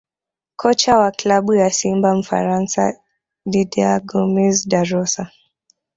Kocha wa klabu ya Simba Mfaransa Didier Gomes Da Rosa